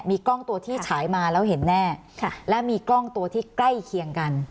มีกล้องตัวที่ฉายมาแล้วเห็นแน่และมีกล้องตัวที่ใกล้เคียงกัน